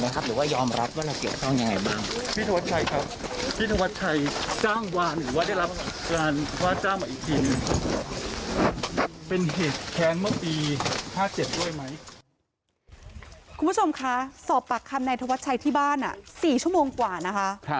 คุณผู้ชมคะสอบปากคำนายธวัชชัยที่บ้าน๔ชั่วโมงกว่านะคะ